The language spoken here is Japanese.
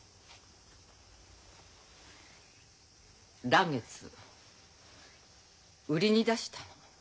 嵐月売りに出したの。